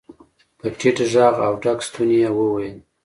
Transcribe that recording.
په ټيټ غږ او ډک ستوني يې وويل.